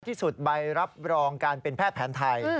ที่สุดใบรับรองการเป็นแพทย์แผนไทย